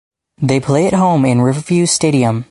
They play at home in Riverview Stadium.